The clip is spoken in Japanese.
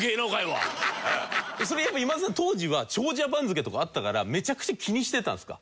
それはやっぱ今田さん当時は長者番付とかあったからめちゃくちゃ気にしてたんですか？